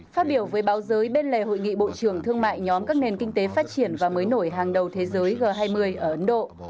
phát biểu với báo giới bên lề hội nghị bộ trưởng thương mại nhóm các nền kinh tế phát triển và mới nổi hàng đầu thế giới g hai mươi ở ấn độ